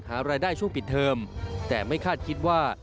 หารายได้ช่วงปิดเทอมแต่ไม่คาดคิดว่า